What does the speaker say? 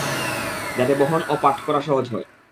যাতে বহন ও পাঠ করা সহজ হয়।